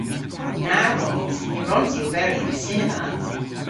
Na wrons! Ny wrons i oberi yn cinema.